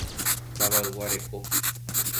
Tavaygua reko.